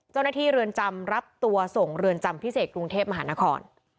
เจ้าหน้าที่เรือนจำรับตัวส่งเรือนจำพิเศษกรุงเทพมหานคร